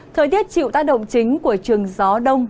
thời tiết chịu tác động chính của trường gió đông